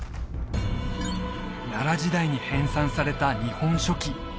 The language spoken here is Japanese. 奈良時代に編さんされた「日本書紀」